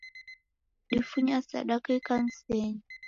Difunya sadaka ikansenyi.